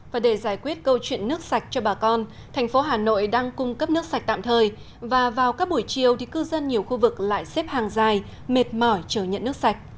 và để giải quyết câu chuyện nước sạch cho bà con thành phố hà nội đang cung cấp nước sạch tạm thời và vào các buổi chiều thì cư dân nhiều khu vực lại xếp hàng dài mệt mỏi chờ nhận nước sạch